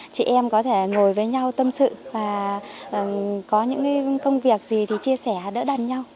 chị em có thể ngồi với nhau tâm sự và có những công việc gì thì chia sẻ đỡ đàn nhau